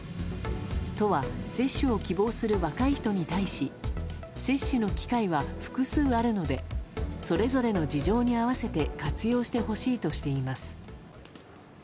都は接種を希望する若い人に対し接種の機会は複数あるのでそれぞれの事情に合わせて活用してほしいとしています。